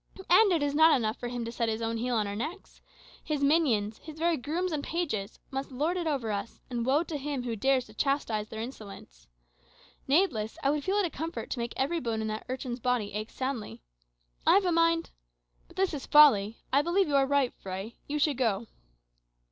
And it is not enough for him to set his own heel on our necks. His minions his very grooms and pages must lord it over us, and woe to him who dares to chastise their insolence. Nathless, I would feel it a comfort to make every bone in that urchin's body ache soundly. I have a mind but this is folly. I believe you are right, Fray. You should go."